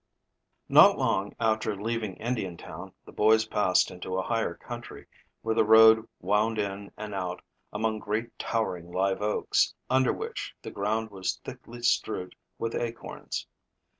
NOT long after leaving Indiantown the boys passed into a higher country, where the road wound in and out among great towering live oaks, under which the ground was thickly strewed with acorns.